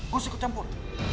gue sikut campur